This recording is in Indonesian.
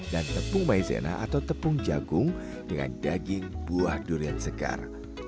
dan tepung maizena atau tepung jagung dengan daging buah durian segar